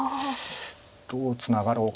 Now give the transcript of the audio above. どうツナがろう。